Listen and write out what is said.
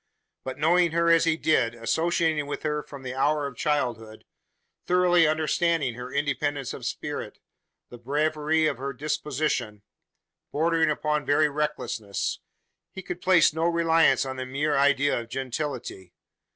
But, knowing her as he did associating with her from the hour of childhood thoroughly understanding her independence of spirit the braverie of her disposition, bordering upon very recklessness he could place no reliance on the mere idea of gentility.